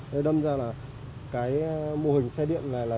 nên đâm ra là cái mô hình xe điện này là